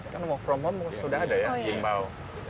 kan work from home sudah ada ya himbau